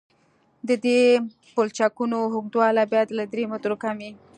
د دې پلچکونو اوږدوالی باید له درې مترو کم وي